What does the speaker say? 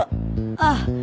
ああ。